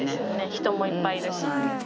人もいっぱいいるし。